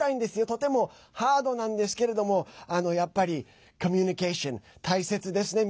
とてもハードなんですけれどもやっぱりコミュニケーション大切ですね。